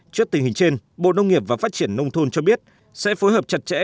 trước tình hình trên bộ nông nghiệp và phát triển nông thôn cho biết sẽ phối hợp chặt chẽ